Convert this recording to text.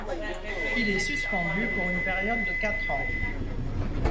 Il est suspendu pour une période de quatre ans.